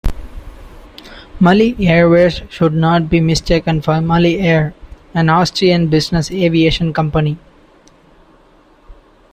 Mali Airways should not be mistaken for Mali Air, an Austrian business aviation company.